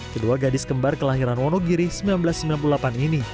kedua gadis kembar kelahiran wonogiri seribu sembilan ratus sembilan puluh delapan ini